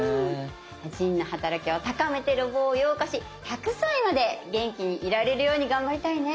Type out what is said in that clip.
腎の働きを高めて老化を予防し１００歳まで元気にいられるように頑張りたいね。